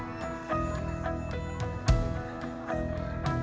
sebagai penjualan airly memiliki kekuatan yang sangat besar